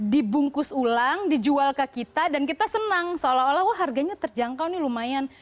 dibungkus ulang dijual ke kita dan kita senang seolah olah wah harganya terjangkau nih lumayan